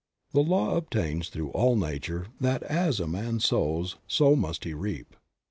The law obtains through all nature that as a man sows, so must he reap.